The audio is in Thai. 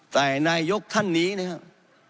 แต่นายกรัฐมนตรีท่านนี้นะครับ